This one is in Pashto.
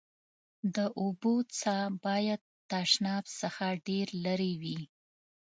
د اوبو څاه باید تشناب څخه ډېر لېري وي.